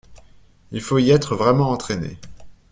il faut y être vraiment entraîné.